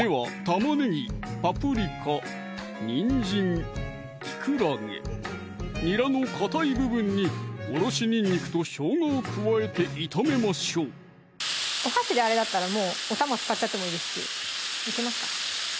玉ねぎ・パプリカ・にんじん・きくらげ・にらのかたい部分におろしにんにくとしょうがを加えて炒めましょうお箸であれだったらもうおたま使っちゃってもいいですしいけますか？